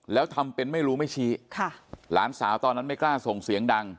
แล้วทำเป็นไม่รู้ไม่ชี้ค่ะหลานสาวตอนนั้นไม่กล้าส่งเสียงดัง